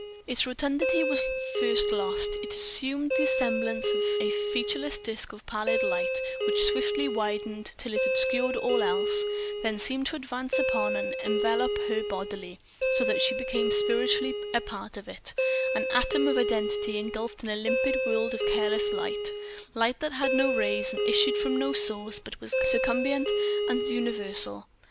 Its rotundity was first lost, it assumed the semblance of a featureless disk of pallid light, which swiftly widened till it obscured all else, then seemed to advance upon and envelope her bodily, so that she became spiritually a part of it, an atom of identity engulfed in a limpid world of glareless light, light that had had no rays and issued from no source but was circumambient and universal.